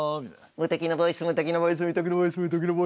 「無敵のボイス」。